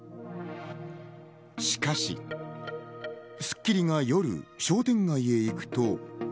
しかし『スッキリ』が夜、商店街へ行くと。